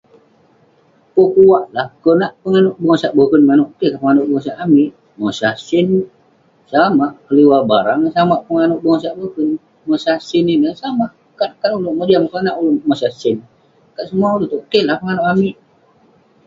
Pekuwak lah..konak penganouk bengosak boken manouk, keh kerk penganouk bengosak amik..mosah sen, samak..keliwah barang, samak penganouk bengosak boken..mosah sen ineh, samak..kat kat ulouk mojam konak ulouk mosah sen..kat semua ulouk itouk..keh lah penganouk amik..